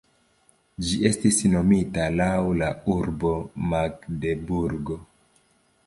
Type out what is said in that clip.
Ĝi estis nomita laŭ la urbo Magdeburgo.